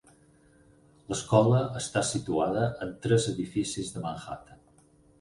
L'escola està situada en tres edificis de Manhattan.